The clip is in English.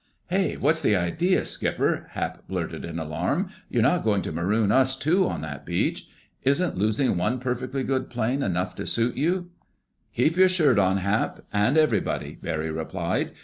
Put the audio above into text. "Hey! What's the idea, Skipper?" Hap blurted in alarm. "You're not going to maroon us too on that beach? Isn't losing one perfectly good plane enough to suit you?" "Keep your shirt on, Hap—and everybody!" Barry replied.